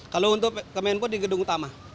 kalau untuk kemenpo di gedung utama